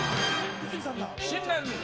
新年。